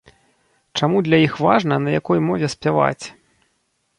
Чаму для іх важна, на якой мове спяваць?